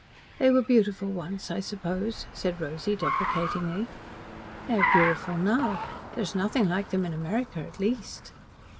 "They were beautiful once, I suppose," said Rosy deprecatingly. "They are beautiful now. There is nothing like them in America at least."